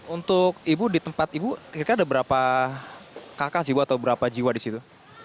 untuk ibu di tempat ibu kira kira ada berapa kakak sih ibu atau berapa jiwa di situ